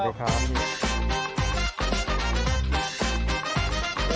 สวัสดีครับ